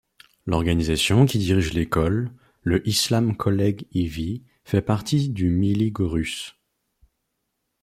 L'organisation qui dirige l'école, le Islam-Kolleg e.V., fait partie du Milli Görüş.